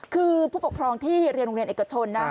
คือผู้ปกครองที่เรียนโรงเรียนเอกชนนะ